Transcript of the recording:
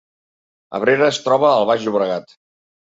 Abrera es troba al Baix Llobregat